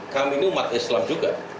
kami ini umat islam juga